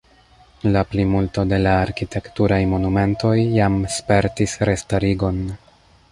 La plimulto de la arkitekturaj monumentoj jam spertis restarigon.